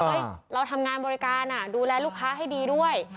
เราทำงานบริการดูแลลูกค้าให้ดีด้วย